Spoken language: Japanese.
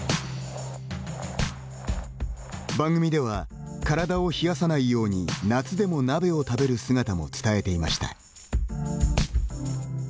番組では、体を冷やさないように夏でも鍋を食べる姿も伝えていました。